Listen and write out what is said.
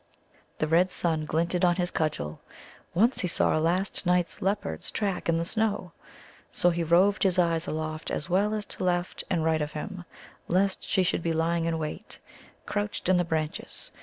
The red sun glinted on his cudgel. Once he saw a last night's leopard's track in the snow. So he roved his eyes aloft as well as to left and right of him, lest she should be lying in wait, crouched in the branches.